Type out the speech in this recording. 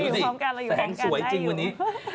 ของสวยจริงวันนี้